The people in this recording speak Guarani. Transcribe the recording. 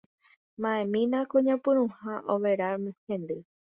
ma'ẽmína ko ñapyrũha overa hendy.